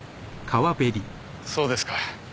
そうですか。